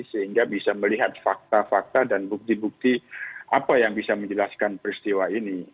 sehingga bisa melihat fakta fakta dan bukti bukti apa yang bisa menjelaskan peristiwa ini